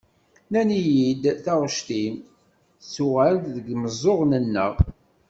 Nnan-iyi-d taɣect-im, tettuɣal-d deg meẓẓuɣen-nneɣ.